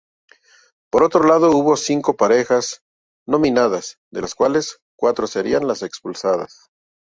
Por otro lado, hubo cinco parejas nominadas, de las cuales, cuatro serían las expulsadas.